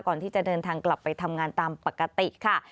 ก่อนที่จะเดินทางกลับไปทำงานตามปกติค่ะ